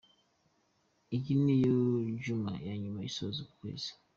Iyi ni yo Djuma ya nyuma isoza uku kwezi.